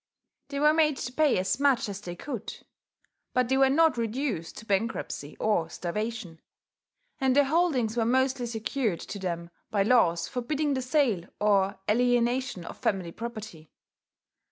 They were made to pay as much as they could; but they were not reduced to bankruptcy or starvation; and their holdings were mostly secured to them by laws forbidding the sale or alienation of family property.